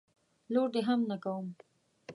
لور دي هم نه کوم.